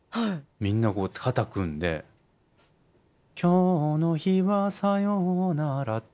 みんなこうやって肩組んで「今日の日はさようなら」って。